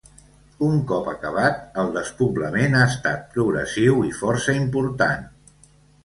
Un cop acabat, el despoblament ha estat progressiu i força important.